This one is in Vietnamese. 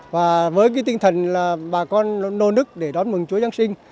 và với cái tinh thần là bà con nô nức để đón mừng chúa giáng sinh